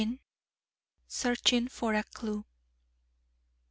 SEARCHING FOR A CLUE.